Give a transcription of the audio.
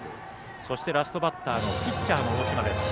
そして、ラストバッターのピッチャーの大嶋。